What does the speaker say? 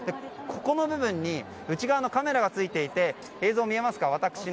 星の部分に内側のカメラがついていて私の映像が見えます。